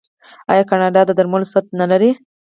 آیا کاناډا د درملو صنعت نلري؟